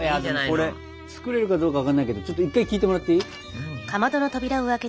これ作れるかどうか分かんないけどちょっと一回聞いてもらっていい？